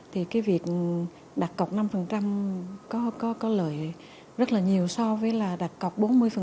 thì cái việc đặt cọc năm có lợi rất là nhiều so với là đặt cọc bốn mươi